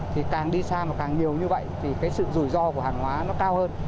thì càng đi xa mà càng nhiều như vậy thì cái sự rủi ro của hàng hóa nó cao hơn